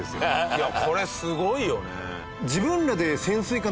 いやこれすごいよね。